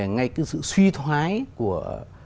ngay cái sự suy thoái của